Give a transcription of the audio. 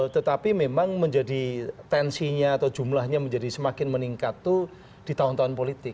tetapi memang menjadi tensinya atau jumlahnya menjadi semakin meningkat itu di tahun tahun politik